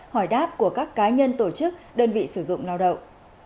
hỏi đáp của các cá nhân tổ chức đơn vị sử dụng lao động